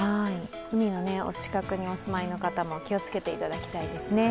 海のお近くにお住まいの方も気をつけていただきたいですね。